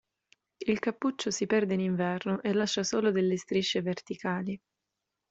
Il cappuccio si perde in inverno e lascia solo delle strisce verticali.